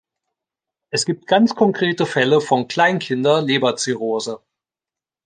Es gibt ganz konkrete Fälle von Kleinkinder-Leberzirrhose.